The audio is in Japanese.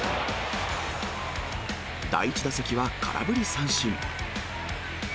第１打席は空振り三振。